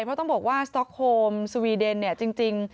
เพราะต้องบอกว่าสต๊อกโฮมสวีเดนเนี่ยจริง